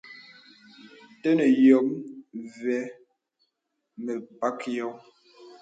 Tənə yɔ̄m və̄ mə̀ pək yɔŋ.